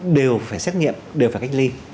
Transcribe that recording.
đều phải xét nghiệm đều phải cách ly